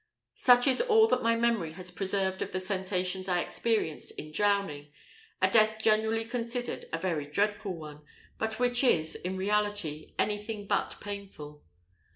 Such is all that my memory has preserved of the sensations I experienced in drowning a death generally considered a very dreadful one, but which is, in reality, anything but painful.